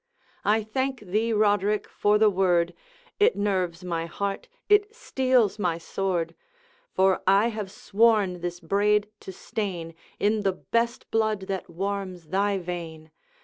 'I thank thee, Roderick, for the word! It nerves my heart, it steels my sword; For I have sworn this braid to stain In the best blood that warms thy vein.